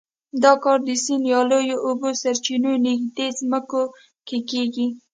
دا کار د سیند یا لویو اوبو سرچینو نږدې ځمکو کې کېږي.